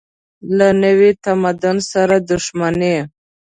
له نوي تمدن سره دښمني.